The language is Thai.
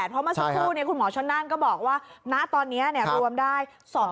เพราะเมื่อสักครู่คุณหมอชนนั่นก็บอกว่าณตอนนี้รวมได้